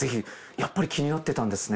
やっぱり気になってたんですね。